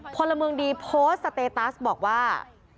พลเมืองดีโพสต์สเตตัสบอกว่า